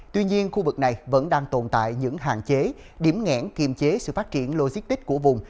tuy nhiên khu vực này vẫn đang tồn tại những hạn chế điểm nghẽn kiềm chế sự phát triển logistics của vùng